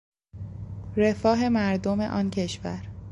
رفاه مردم آن کشور